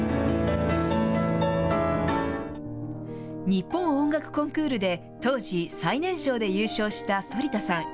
日本音楽コンクールで、当時、最年少で優勝した反田さん。